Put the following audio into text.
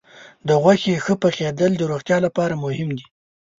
د غوښې ښه پخېدل د روغتیا لپاره مهم دي.